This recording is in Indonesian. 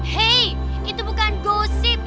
hei itu bukan gosip